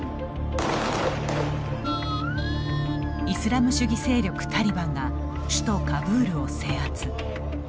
イスラム主義勢力・タリバンが首都カブールを制圧。